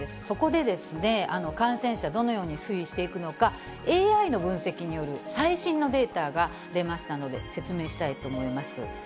そこで、感染者、どのように推移していくのか、ＡＩの分析による最新のデータが出ましたので説明したいと思います。